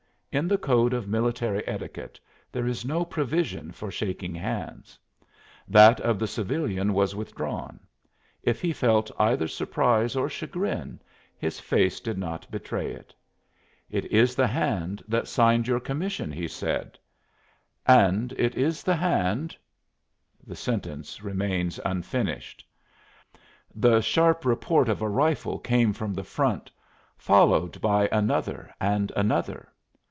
In the code of military etiquette there is no provision for shaking hands. That of the civilian was withdrawn. If he felt either surprise or chagrin his face did not betray it. "It is the hand that signed your commission," he said. "And it is the hand " The sentence remains unfinished. The sharp report of a rifle came from the front, followed by another and another.